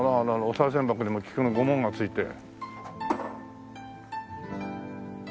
おさい銭箱にも菊の御紋がついて。